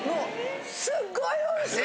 すっごいおいしい！